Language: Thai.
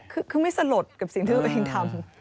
คือไม่สลดกับสิ่งที่ตัวเองทำ